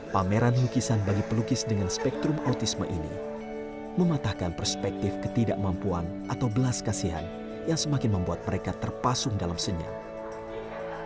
pameran lukisan bagi pelukis dengan spektrum autisme ini mematahkan perspektif ketidakmampuan atau belas kasihan yang semakin membuat mereka terpasung dalam senyap